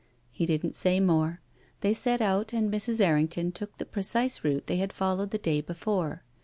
He didn't say more. They set out, and Mrs. Errington took the precise route they had followed the day before.